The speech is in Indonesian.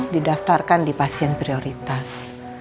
didaftarkan di pasien prioritas